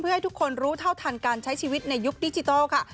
ให้ทุกคนรู้เท่าทันการใช้ชีวิตในยุคดิจิทัลค่ะ